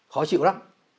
khó chịu lắm